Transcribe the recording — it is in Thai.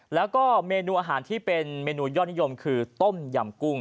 แล้วก็เมนูอาหารที่เป็นเมนูยอดนิยมคือต้มยำกุ้ง